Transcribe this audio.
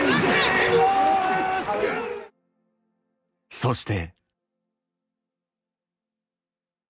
そして。